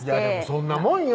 そんなもんよ